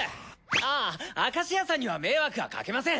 あ明石屋さんには迷惑はかけません。